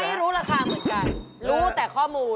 ไม่รู้ราคาเหมือนกันรู้แต่ข้อมูล